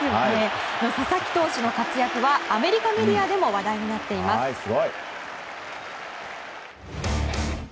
佐々木投手の活躍はアメリカメディアでも話題になっています。